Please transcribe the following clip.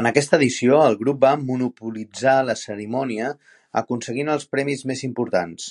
En aquesta edició, el grup va monopolitzar la cerimònia aconseguint els premis més importants.